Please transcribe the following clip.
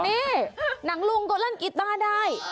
นี่หนังลุงก็เล่นกีต้าได้